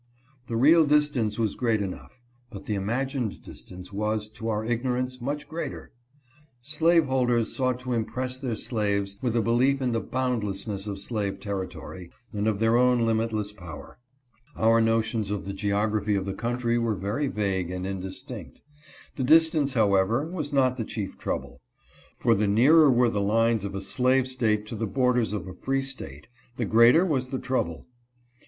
The real distance was great enough, but the imagined distance was, to our ignorance, much greater. Slaveholders sought to impress their slaves with a belief in the bound lessness of slave territory, and of their own limitless power. Our notions of the geography of the country were very vague and indistinct. The distance, however, was not the chief trouble, for the nearer were the lines of a slave state to the borders of a free state the greater was the trouble.